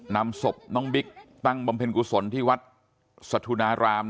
นำศพน้องบิ๊กตั้งบำเพ็ญกุศลที่วัดสถุนาราม